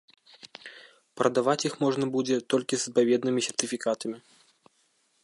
Прадаваць іх можна будзе толькі з адпаведнымі сертыфікатамі.